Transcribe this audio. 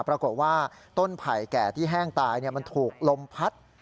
ปรากฏว่าต้นไผ่แก่ที่แห้งตายมันถูกลมพัด